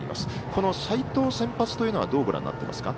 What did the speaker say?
この斎藤を先発というのはどうご覧になっていますか？